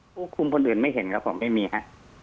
ผู้คุมคนอื่นไม่เห็นครับผมไม่มีฮะ